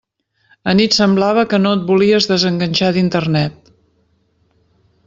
Anit semblava que no et volies desenganxar d'Internet!